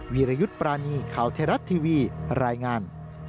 วิรยุทธ์ปรานีข่าวไทยรัฐทีวีรายงาน